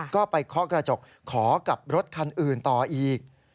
ก็ไปเคาะกระจกขอกับรถคันอื่นต่ออีก